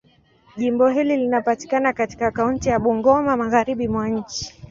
Jimbo hili linapatikana katika kaunti ya Bungoma, Magharibi mwa nchi.